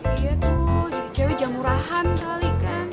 iya tuh jadi cewek jamurahan kali kan